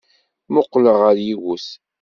Mmuqqleɣ ɣer yiwet.